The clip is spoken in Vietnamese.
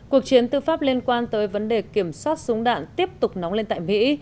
cuộc chiến tư pháp liên quan tới vấn đề kiểm soát súng đạn tiếp tục nóng lên tại mỹ